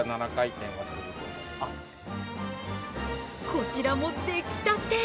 こちらも出来たて。